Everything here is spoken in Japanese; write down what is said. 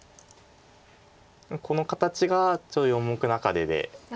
この形がちょうど四目中手で。